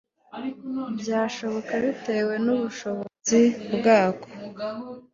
byashoboka bitewe n ubushobozi bwako